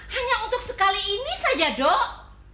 hanya untuk sekali ini saja dok